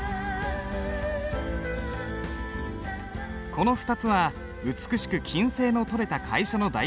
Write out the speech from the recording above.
この２つは美しく均斉の取れた楷書の代表。